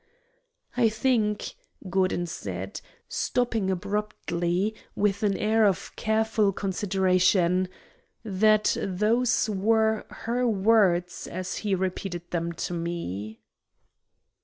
"I think," Gordon said, stopping abruptly, with an air of careful consideration, "that those were her words as he repeated them to me."